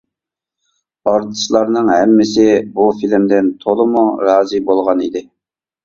ئارتىسلارنىڭ ھەممىسى بۇ فىلىمدىن تولىمۇ رازى بولغان ئىدى.